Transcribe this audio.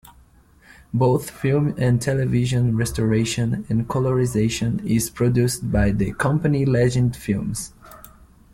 Both film and television restoration and colorization is produced by the company Legend Films.